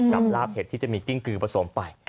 รับลาบเหตุที่มีกิ้งกืนผสมไป